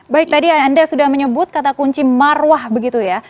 baik tadi anda sudah menyebut kata kunci marwah begitu ya